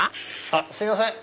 あっすいません！